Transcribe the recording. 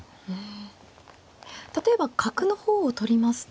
例えば角の方を取りますと。